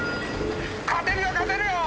勝てるよ勝てるよ！